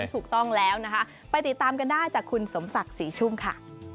ถูกต้องแล้วนะคะไปติดตามกันได้จากคุณสมศักดิ์ศรีชุ่มค่ะ